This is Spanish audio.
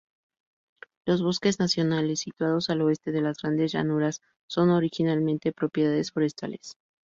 Los bosques nacionales situados al oeste de las Grandes Llanuras son originalmente propiedades forestales.